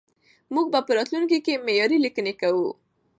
موږ به په راتلونکي کې معياري ليکنې کوو.